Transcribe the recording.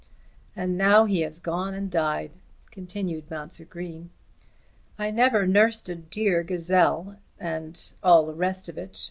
"And now he has gone and died," continued Mounser Green. "'I never nursed a dear gazelle,' and all the rest of it.